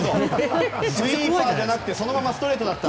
スイーパーじゃなくてそのままストレートだったら。